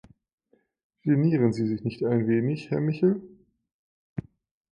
Genieren Sie sich nicht ein wenig, Herr Michel?